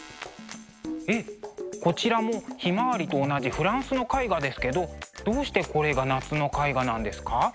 えっこちらも「ひまわり」と同じフランスの絵画ですけどどうしてこれが夏の絵画なんですか？